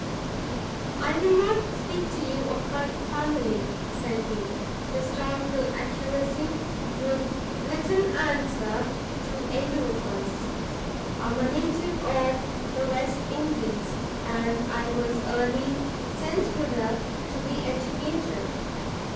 "I will not speak to you of my family," said he; "historical accuracy would little answer to either of us. I am a native of the West Indies, and I was early sent hither to be educated.